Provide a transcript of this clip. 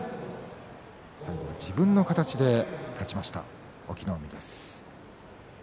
最後は自分の形で勝ちました、隠岐の海です。